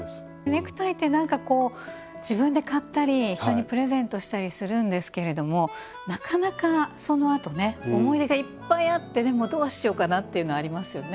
ネクタイってなんかこう自分で買ったり人にプレゼントしたりするんですけれどもなかなかそのあとね思い出がいっぱいあってでもどうしようかなっていうのありますよね。